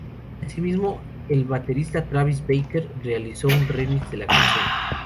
Asimismo, el baterista Travis Barker realizó un remix de la canción.